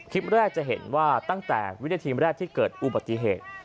คลิปแรกจะเห็นว่าตั้งแต่วินาทีแรกที่เกิดอุบัติเหตุ